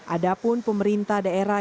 ada pun pemerintah daerah